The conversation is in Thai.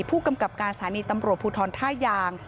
ผู้กำกับการสถานีตำรวจภูทรท่ายาง